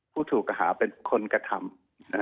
ผู้ถูกกระหาเป็นคนกระทำ